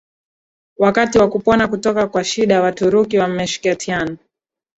wakati wa kupona kutoka kwa shida Waturuki wa Meskhetian